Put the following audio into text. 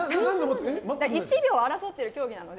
１秒を争ってる競技なので。